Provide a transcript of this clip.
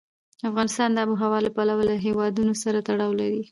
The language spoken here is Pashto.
افغانستان د آب وهوا له پلوه له هېوادونو سره تړاو لري.